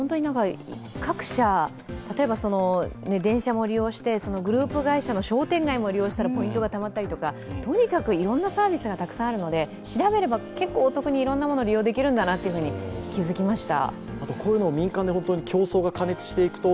各社、電車も利用してグループ会社の商店街も利用したらポイントがたまったりとか、とにかくいろんなサービスがたくさんあるので調べれば、お得にいろんなものを利用できるんだと気づきました。